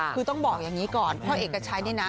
คือต้องบอกอย่างนี้ก่อนพ่อเอกชัยนี่นะ